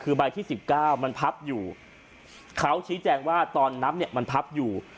คือใบที่สิบเก้ามันพับอยู่เขาชี้แจงว่าตอนนับเนี่ยมันพับอยู่